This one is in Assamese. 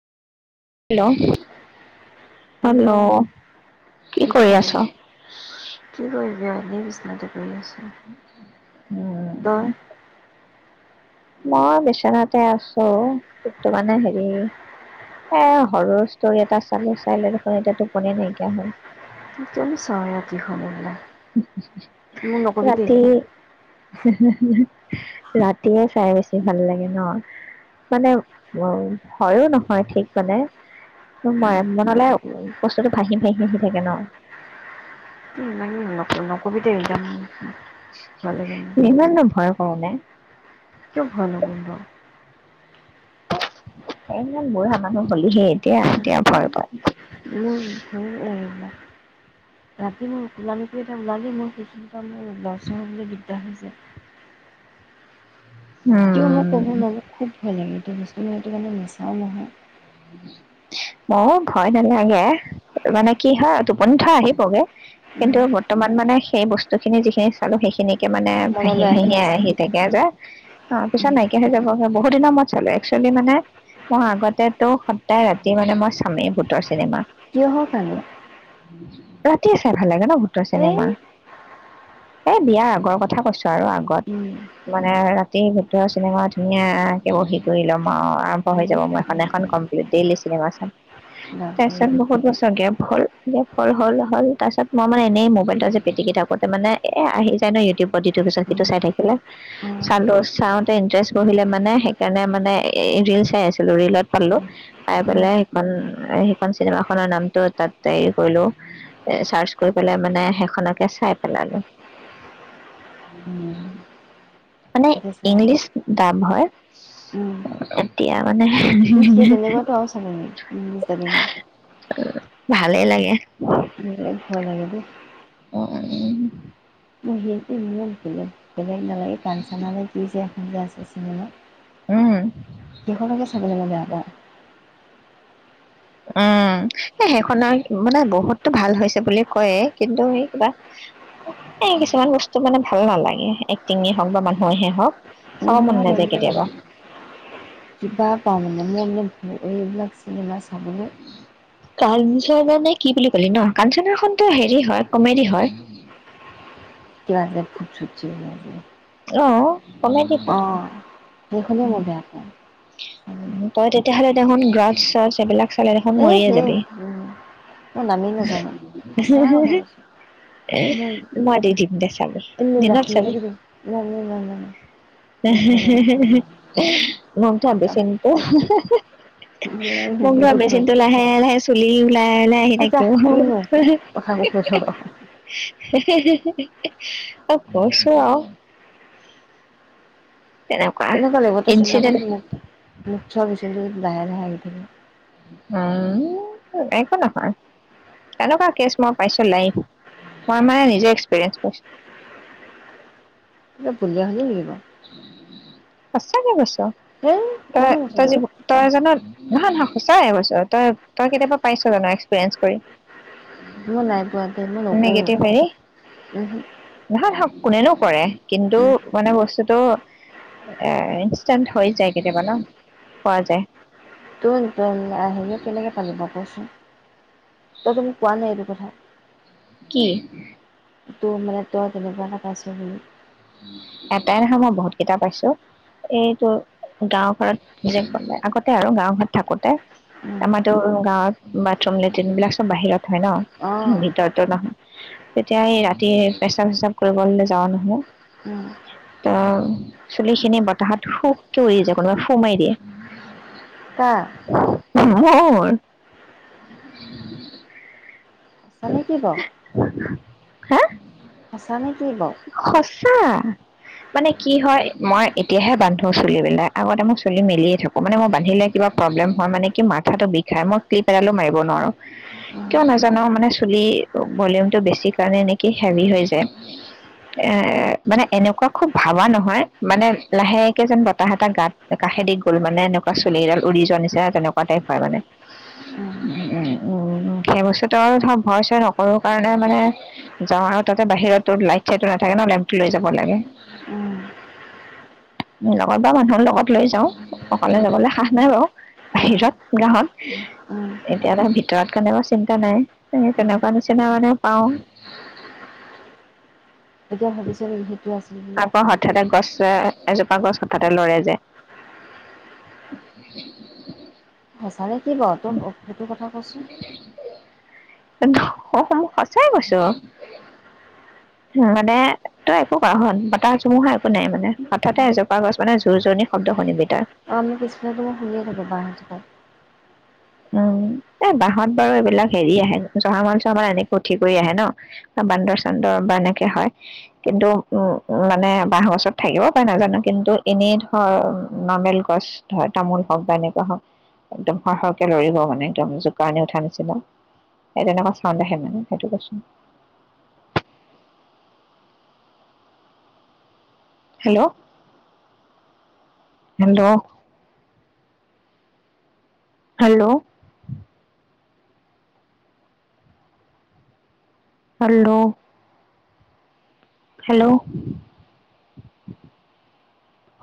হেল্ল' হেল্ল' কি কৰি আছ? নাতে। তই উম। মই বিচনাতে আছো কিন্তু মানে হেৰি এ সৰুৰ ষ্টৰি এটা চালো চাই ল দেখোন এতিয়া টোপনি নাইকিয়া হ'ল। মোক কিয়নো চোৱা সময় উলাই। হুম হুম হুম ৰাতি। হি হি হি ৰাতিয়ে চাই বেছি ভাল লাগে ন মানে উ হয়ো নহয় ঠিক মানে মই তই মনলৈ বস্তুটো ভাহি ভাহি আহি থাকে ন। নকবিতে একদাম ভালে লাগে মোৰ। হয়নে? কিয় ভয় নকৰিম ক। এ মোৰ বুঢ়া মানুহ হ'লিহে এতিয়া এতিয়া ভয় ভয়। মোৰ ভয় লাগে যেন বা। ৰাতি মোৰ কোলা মেকুৰি এটা ওলালি মোৰ সেইখিনি পা মোৰ লৰ চৰ হ'বলৈ দিগদাৰ হৈছে। কিয় মই উম। কব নোৱা খুব ভয় লাগে এতিয়া বস্তু ম সেইটো কাৰণে নেচাও নহয়। মও ভয় নালাগে মানে কি হয় টোপনি থ আহিবগে কিন্তু বৰ্তমান মানে সেই বস্তু খিনি যিখিনি চালো সেইখিনি। মানে ভাহি মনলৈ ভহি আছে আহি থাকে যে অ পিছত নাইকিয় হৈ যাব। বহুত দিনৰ মই চালো একচুৱেলি মানে মই আগতে। ত সদায় ৰাতি মানে মই স্বামীয়ে ভুতৰ। চিনেমা। কিহৰ ৰাতি চাই ভাল লাগে ন ভূতৰ চিনেমা এই বিয়াৰ আগৰ কথা কৈছো আৰু আগত মানে ৰাতি ভূতৰ চিনেমা ধুনীয়াকে বহি কৰি ল'ম আৰু আৰম্ভ হৈ যাব মই এখনে। আৰু কাৰণে এই কমপ্লিট ডেইলি চিনেমা চ উম, সেই তাৰপিছত বহুত বছৰ গেপ হ'ল গেপ হ হ'ল হ'ল তাৰপিছত মই মানে এনেই মোবাইলটোত যে পিটিকি থাকোঁতে মানে এ আহি যায় ন ইউটিউবত যিটো পিছত সিটো চাই থাকিলে চালো চাওঁতে ইণ্টাৰেষ্ট বহিলে মানে সেইকাৰণে মানে এই ৰিল চাই আছিলোঁ ৰিলত। পালো পাই পেলাই সেইখন সেইখন চিনেমা খনৰ নামটো তাত তৰি কৰিলো এ চাৰ্চ কৰি পেলাই মানে সেইখনকে চাই পেলালো। মানে ইংলিছ দাম হয়। উম। তেতিয়া মানে। সেই তেনেকুৱাতো আৰু চাগেিনো। ভালেই লাগে। ভয় লাগে দে। উম। [unintelligible] কিয় নালাগে পানশনাৰে কিজে। গাছ আছে মানে। উম সেইখনকে চাবলে ম ইবেয়া পাওঁ। উম এ সেইখনৰ মানে বহুতো ভাল হৈছে বুলি কয় কিন্তু এই কিবা এই কিছুমান বস্তু মানে ভাল নালাগে এক্টিঙয় হওক বা মানুহহে হওক মই চাও মন নাযায় মানে কেতিয়াবা কিবা পাওঁ মানে মোৰ মান এইবিলাক চিনেমা চাবলৈ কাঞ্চন নে কি বুলি কলি ন কাঞ্চন খটো হেৰি হয় কমেডি হয় লাগে ফুট চুটি লাগে অ কম সেইখনেই মই বেয়া পাওঁ চাবলৈ। ক তই তেয়াহ'লে দেখোন গ্ৰাছ চাছ এইবিলাক চালে দেখোন এই মৰিয়ে সেই যাবি মই নামেই নাজানো সঁচা কথা কৈছোঁ। মোৰ মই দি দিম দে চাবি দিনত চাবি নাচনীদিকে না না না না না ভাল মনঠ বেচি ন উ লাগে মোক ধৰা বহুত ভাল বেচিনতো লাহে লাহে চুলি লাই লাই আহি আচ্ছা থাকিব কিনো কথা কৈ থ ফচ তেনেকুৱা লতে চন্তাক ইনচিডেণ্ট মোক মুখ চছিল লাহে লাহে আহি থাকে একো নহয় তেনেকুৱা কেছ মই পাইছো লাইভ মই মানে নিজে এক্সপিৰিয়েঞ্চছো কিবা বুলিয়া শুনি নেকি বাওঁ। সছাকে কৈছোঁ হেই তই কিনো কথা তই যি তই জানত, নহয় নহয় সঁচাইেছ তই তই কেতিয়াবা পাইছ জান এক্সপিৰিয়েঞ্চ কৰি, মই নাই পোৱা দে মই নকৰোঁ নিগেটিভ হেৰি নহয় কোনেনো কৰে, কিন্তু মানে বস্তু ত ইনষ্টেণ্ট হৈ যায় কেতিয়াবা ন পোৱা যায়। ত আহিলে কেনেকে পানিব কচোন তইতো মোক কোৱা নাই এইটো কথা, কি? তোৰ মান ত তেনেবাৰ ক আছো। এটাই নখা মই বহুত কেইটা পাইছো এইটো গাওঁ ঘৰত নি যোই আগতে আৰু গাওঁ ঘৰত থাকোতে আমাতো গাঁৱত বাথৰুম লেট্ৰিন বিলাক চব বাহিৰত হয় অঁ ন ভিতৰতো নহয় তেতিয়া এই ৰাতি পেচাব চেচাব কৰিবলৈ যাও নহয়, ত চুলিখিনি বতাহত শুককে উৰি যায় কোনোবাই সুমাই দিয়ে। ত অ' আছা নে কি বাৰ হে? আছানে সঁচা। মানে কি হয় মই এতিয়াহে বান্ধো চুলিবিলাক, আগতে মই চুলি মিলিয়ে থাকো, মানে মই বান্ধিলে কিবা প্ৰব্লেম হয়, মানে কি মাথাটো বিষাই মই ক্লিপ এডালো মাৰিব নোৱাৰোঁ, কিয় বাৰু নাজানো মানে চুলি ভলিউমটো বেছি কাৰণে নেকি হেভি হৈ যায়। এ মানে এনেকুৱা খুব ভাবা নহয়, মানে লাহেকে যেন বতাহ এটা গাত কাষেদি গ'ল মানে, এনেকুৱা চুলি এডাল উৰি যোৱা নিচিনা তেনেকুৱা টাইপ হয় মানে, উম, উম, সেই বস্তুটো আৰু ধৰ ভয় চয় নকৰোঁ কাৰণে মানে যাওঁ আৰু তাতে বাহিৰত লাইট সেইটো নাথাকে ন' লেমটো লৈ যাব লাগে উম, লগত বা মানুহৰ লগত লৈ যাওঁ অকলে উম, যাবলৈ সাহ নাই বাৰু উম, বাহিৰত গাঁৱত উম, এতিয়া ত' ভিতৰত কাৰণে চিন্তা নাই সেই কাৰণে উম। তেনেকুৱা নিচিনা মানে পাওঁ। এতিয়া ভাবিছ' নেকি সেইটো আছিল বুলি? আকৌ হঠাতে গছ এজোপা গছ হঠাতে লৰে যে। হছ ছাৰে কি ক' ত' সেইটো কথা কচোন। অহ, মই সঁচাই কৈছো, মানে তই একো কৰা হন বতাহ ধুমুহা একো নাই মানে, হঠাতে এজোপা গছ মানে জোৰ-জোৰণি শব্দ শুনিবি তই। অ', আমি পিছফালেটো মই শুনিয়ে থাকো বাহঁজোপাত। উম, এ বাঁহত বাৰু এইবিলাক হেৰি আহে জহামাল চহামাল এনেকে উঠি কৰি আহে ন'? বান্দৰ চান্দৰ বা এনেকে হয় কিন্তু উম, মানে বাঁহৰ গছত থাকিব পাৰে নাজানো কিন্তু এনেই ধৰ নৰ্মেল গছ ধৰ তামোল হওঁক বা এনেকুৱা হওঁক একদমৰ কে লৰিব মানে একদম, জোকাৰণি উঠা নিচিনা সেই তেনেকুৱা চাউণ্ড আহে মানে সেইটো বস্তু। Hello, hello. Hello. Hello. Hello.